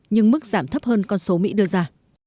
nhưng mức giảm thấp hơn con số mỹ đưa ra